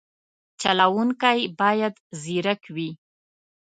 چلوونکی باید ځیرک وي.